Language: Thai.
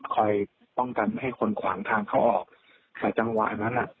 คอยป้องกันให้คนขวางทางเขาออกแต่จังหวะนั้นอ่ะ